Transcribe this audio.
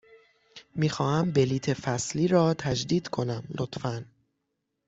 می خواهم بلیط فصلی را تجدید کنم، لطفاً.